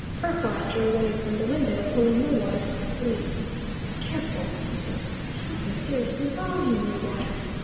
Perkwite drew away from the window, pulling Millwaters by the sleeve. "Careful!" he said. "There's something seriously wrong here, Millwaters!